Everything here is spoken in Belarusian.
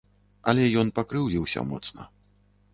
Але ён пакрыўдзіўся моцна.